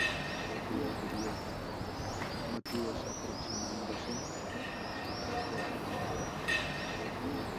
Ella le dio motivos, aproximándose a su hijastro Británico.